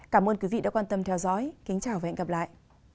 cảm ơn quý vị đã quan tâm theo dõi kính chào và hẹn gặp lại